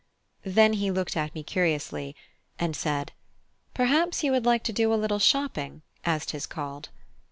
Then he looked at me curiously, and said, "Perhaps you would like to do a little shopping, as 'tis called."